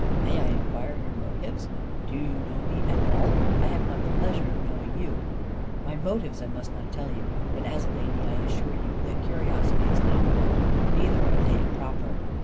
"May I inquire your motives? Do you know me at all? I have not the pleasure of knowing you." "My motives I must not tell you. But, as a lady, I assure you, that curiosity is not one. Neither are they improper."